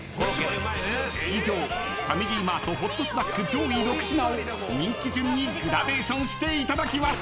［以上ファミリーマートホットスナック上位６品を人気順にグラデーションしていただきます］